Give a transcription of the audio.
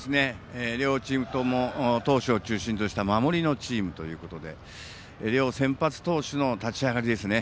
両チームとも投手を中心とした守りのチームということで両先発投手の立ち上がりですね。